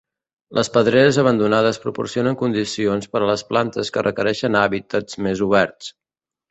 Les pedreres abandonades proporcionen condicions per a les plantes que requereixen hàbitats més oberts.